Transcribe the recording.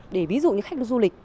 để ví dụ như khách du lịch